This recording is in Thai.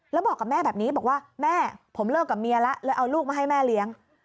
แล้วบอกกับแม่แบบนี้บอกว่าแม่ผมเลิกกับเมียแล้วเลยเอาลูกมาให้แม่เลี้ยง